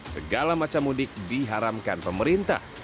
segala macam mudik diharamkan pemerintah